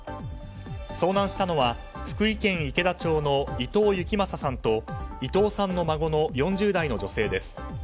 遭難したのは福井県池田町の伊藤幸正さんと伊藤さんの孫の４０代の女性です。